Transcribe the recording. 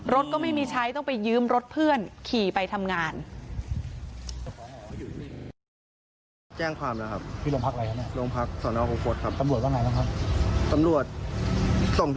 รถก็ไม่มีใช้ต้องไปยืมรถเพื่อนขี่ไปทำงาน